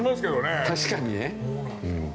確かにね。